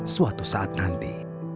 suatu saat nanti